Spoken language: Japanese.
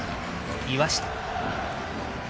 岩下。